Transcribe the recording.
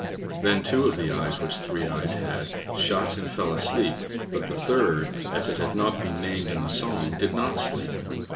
Then two of the eyes which Three eyes had, shut and fell asleep, but the third, as it had not been named in the song, did not sleep.